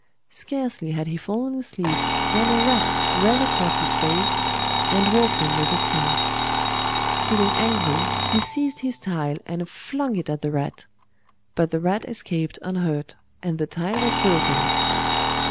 Scarcely had he fallen asleep when a rat ran across his face and woke him with a start. Feeling angry, he seized his tile and flung it at the rat; but the rat escaped unhurt, and the tile was broken.